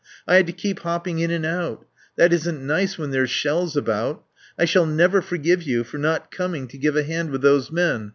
I had to keep hopping in and out. That isn't nice when there's shells about. I shall never forgive you for not coming to give a hand with those men.